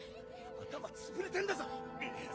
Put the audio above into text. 頭潰れてんだぞいや